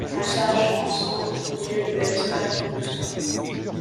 Un sage. On sonde mieux le mystère où nous sommes